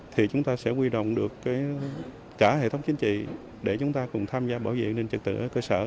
thì chúng ta sẽ quy động được cả hệ thống chính trị để chúng ta cùng tham gia bảo vệ an ninh trật tự ở cơ sở